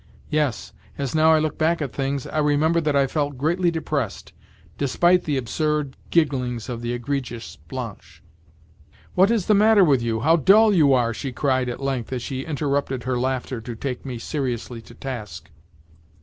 Yes, as now I look back at things, I remember that I felt greatly depressed, despite the absurd gigglings of the egregious Blanche. "What is the matter with you? How dull you are!" she cried at length as she interrupted her laughter to take me seriously to task.